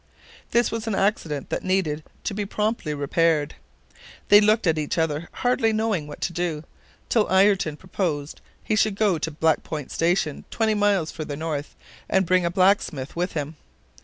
This was an accident that needed to be promptly repaired. They looked at each other hardly knowing what to do, till Ayrton proposed he should go to Black Point Station, twenty miles further north, and bring back a blacksmith with him.